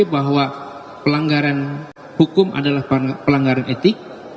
bahwa pelanggaran hukum adalah pelanggaran etik